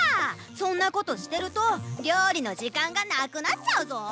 そんなことしてるとりょうりのじかんがなくなっちゃうぞ！